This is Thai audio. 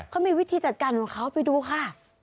เขามีวิธีจัดการของเขาไปดูค่ะ